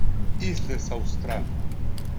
Isles Austral.